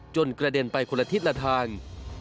กระเด็นไปคนละทิศละทาง